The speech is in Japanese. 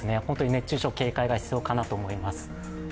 熱中症警戒が必要かなと思います。